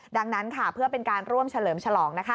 ดังนั้นค่ะเพื่อเป็นการร่วมเฉลิมฉลอง